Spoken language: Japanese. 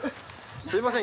すみません。